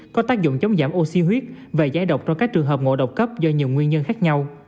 có tác dụng chống giảm oxy huyết về giải độc trong các trường hợp ngộ độc cấp do nhiều nguyên nhân khác nhau